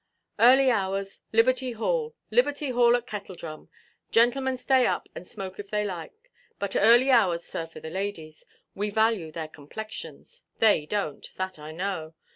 "Early hours. Liberty Hall, Liberty Hall at Kettledrum! Gentlemen stay up, and smoke if they like. But early hours, sir, for the ladies. We value their complexions. They donʼt. That I know.